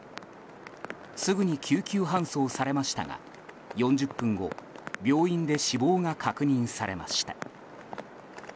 すぐに救急搬送されましたが４０分後病院で死亡が確認されました。